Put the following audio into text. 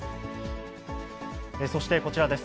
そしてこちらです。